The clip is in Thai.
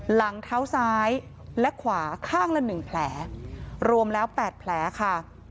หลังเท้าซ้ายและขวาข้างละ๑แผลรวมแล้ว๘แผลค่ะ